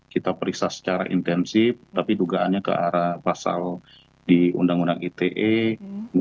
kita periksa secara intensif tapi dugaannya ke arah pasal di undang undang ite